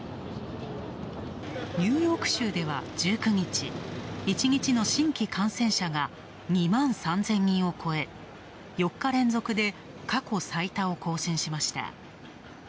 ニューヨーク州では、１９日、新規感染者が２万３０００人を超え、４日連続で過去最多を更新しました。